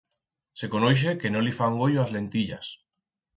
Se conoixe que no li fan goyo as lentillas.